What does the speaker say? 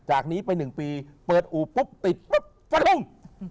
อันนี้ไปหนึ่งปีเปิดอูปปุ๊บติดปุ๊บฟัดลง